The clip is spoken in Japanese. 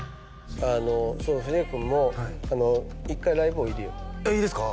あのそう藤ヶ谷君も１回ライブおいでよえっいいですか？